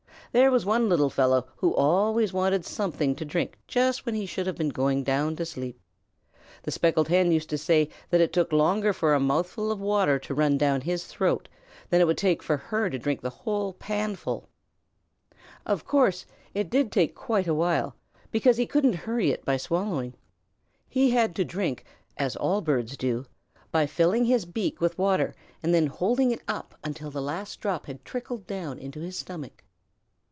There was one little fellow who always wanted something to drink just when he should have been going to sleep. The Speckled Hen used to say that it took longer for a mouthful of water to run down his throat than it would for her to drink the whole panful. Of course it did take quite a while, because he couldn't hurry it by swallowing. He had to drink, as all birds do, by filling his beak with water and then holding it up until the last drop had trickled down into his stomach.